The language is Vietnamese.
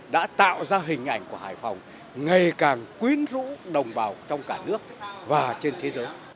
đã tạo ra hình ảnh của hải phòng ngày càng quyến rũ đồng bào trong cả nước và trên thế giới